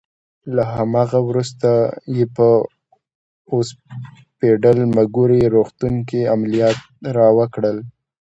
له هغه وروسته یې په اوسپیډل مګوري روغتون کې عملیات راوکړل.